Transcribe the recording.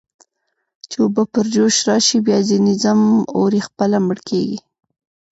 چې اوبه پر جوش راشي، بیا ځنې ځم، اور یې خپله مړ کېږي.